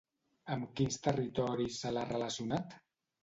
Amb quins territoris se l'ha relacionat?